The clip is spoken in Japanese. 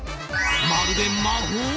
まるで魔法？